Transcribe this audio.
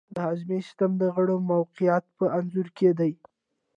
د هاضمې سیستم د غړو موقیعت په انځور کې دی.